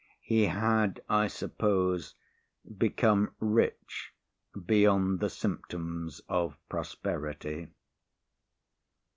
He had, I suppose, become rich beyond the symptoms of prosperity.